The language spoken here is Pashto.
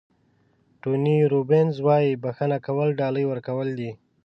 ټوني روبینز وایي بښنه کول ډالۍ ورکول دي.